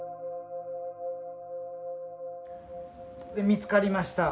見つかりました。